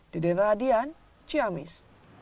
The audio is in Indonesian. deden radian ciamis